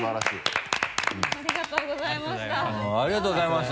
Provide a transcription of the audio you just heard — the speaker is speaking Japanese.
ありがとうございます。